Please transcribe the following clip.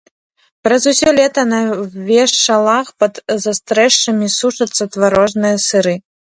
Праз усё лета на вешалах пад застрэшшамі сушацца тварожныя сыры.